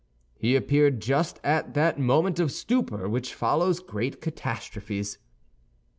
He appeared just at that moment of stupor which follows great catastrophes.